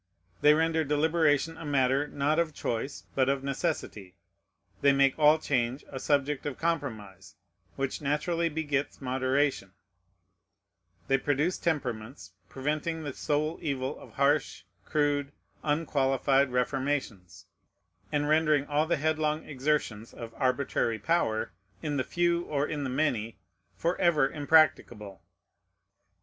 They render deliberation a matter, not of choice, but of necessity; they make all change a subject of compromise, which naturally begets moderation; they produce temperaments, preventing the sore evil of harsh, crude, unqualified reformations, and rendering all the headlong exertions of arbitrary power, in the few or in the many, forever impracticable.